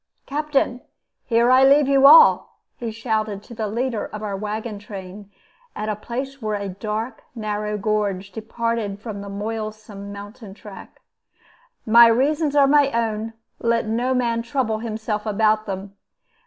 "Captain, here I leave you all," he shouted to the leader of our wagon train, at a place where a dark, narrow gorge departed from the moilsome mountain track. "My reasons are my own; let no man trouble himself about them.